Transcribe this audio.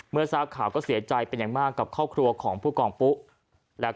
เมื่อสักข่าวก็เสียใจกับครอบครัวของภูกองปุ๊ะ